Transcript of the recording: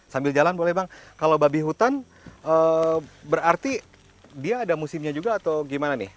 sambil jalan boleh bang kalau babi hutan berarti dia ada musimnya juga atau gimana nih